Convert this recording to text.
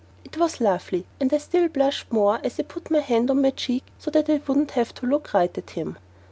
It was lovely, and I blushed still more as I put my hand up to my cheek so that I wouldn't have to look right at him.